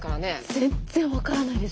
全然分からないです。